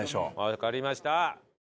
わかりました。